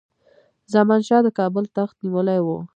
زمان شاه د کابل تخت نیولی وو.